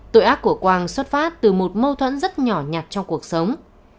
tội ác của quang xuất phát từ một mâu thuẫn rất nhỏ nhặt trong cuộc sống